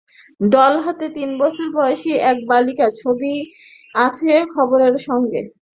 Doll হাতে তিন বছর বয়সী একটি বালিকার ছবি আছে খবরের সঙ্গে।